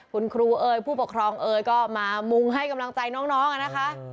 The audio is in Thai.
คุณครูเอ๋ยผู้ปกครองเอ๋ยก็มามุงให้กำลังใจน้องอะนะคะ